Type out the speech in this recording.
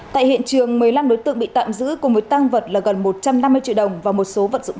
tại hiện trường một mươi năm đối tượng bị tạm giữ cùng với tăng vật là gần một trăm năm mươi triệu đồng và một số vận dụng